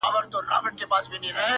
که دغه بوږنوونکي یرې ترهې دې په زړه وې